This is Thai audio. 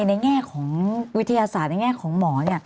ในแง่ของวิทยาศาสตร์ในแง่ของหมอ